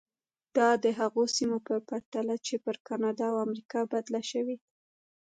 دا د هغو سیمو په پرتله چې پر کاناډا او امریکا بدلې شوې.